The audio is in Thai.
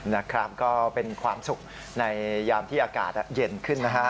นะครับก็เป็นความสุขในยามที่อากาศเย็นขึ้นนะฮะ